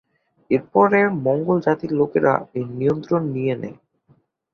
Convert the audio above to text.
এরপরে মঙ্গোল জাতির লোকেরা এর নিয়ন্ত্রণ নিয়ে নেয়।